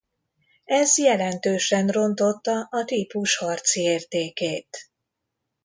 Ez jelentősen rontotta a típus harci értékét.